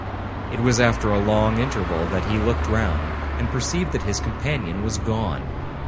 It was after a long interval that he looked round, and perceived that his companion was gone.